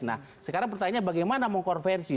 nah sekarang pertanyaannya bagaimana mengkonversi